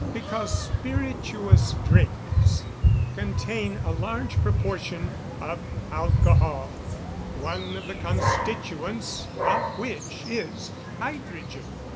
_ Because spirituous drinks contain a large proportion of ALCOHOL, one of the constituents of which is hydrogen.